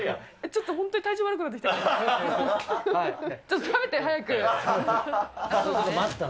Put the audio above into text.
ちょっと本当に体調悪くなってきた。